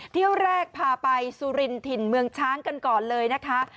เที่ยวแรกพาไปสุรินถิ่นเมืองช้างกันก่อนเลยนะคะ